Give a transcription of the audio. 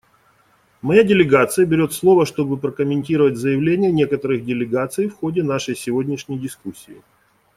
Моя делегация берет слово, чтобы прокомментировать заявления некоторых делегаций в ходе нашей сегодняшней дискуссии.